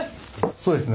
そうですね